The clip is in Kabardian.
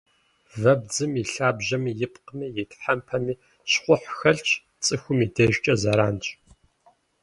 Вэбдзым и лъабжьэми, и пкъыми, и тхьэмпэми щхъухь хэлъщ, цӏыхум и дежкӏэ зэранщ.